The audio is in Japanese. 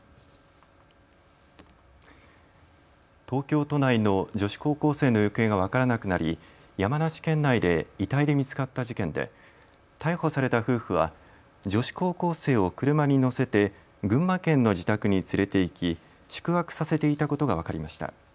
東京都内の女子高校生の行方が分からなくなり山梨県内で遺体で見つかった事件で逮捕された夫婦は女子高校生を車に乗せて群馬県の自宅に連れて行き宿泊させていたことが分かりました。